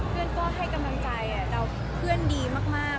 เพื่อนก็ให้กำลังใจเราเพื่อนดีมาก